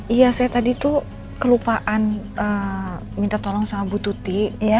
iya saya tadi tuh kelupaan minta tolong sama bu tuti